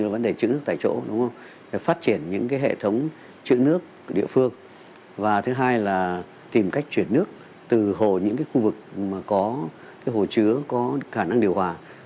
và thứ hai là tìm cách chuyển nước từ hồ những khu vực mà có hồ chứa có khả năng điều hòa